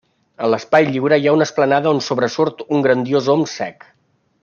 En l'espai lliure hi ha una esplanada on sobresurt un grandiós om sec.